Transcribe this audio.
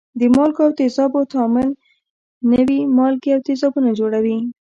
د مالګو او تیزابو تعامل نوي مالګې او تیزابونه جوړوي.